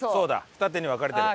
二手に分かれてる。